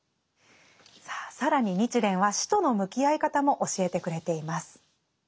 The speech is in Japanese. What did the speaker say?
さあ更に日蓮は死との向き合い方も教えてくれています。